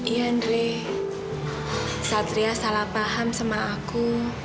iya ndre satria salah paham sama aku